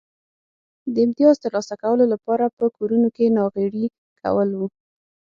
د امیتاز ترلاسه کولو لپاره په کارونو کې ناغېړي کول و